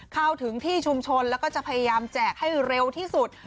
เข้าถึงที่ชุมชนแล้วก็จะพยายามแจกให้เร็วที่สุด